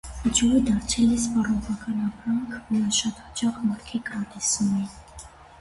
Ջուրը դարձել է սպառողական ապրանք, որը շատ հաճախ մարդիկ անտեսում են։